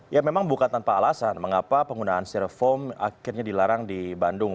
ya memang bukan tanpa alasan mengapa penggunaan steroform akhirnya dilarang di bandung